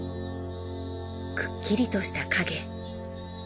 くっきりとした影。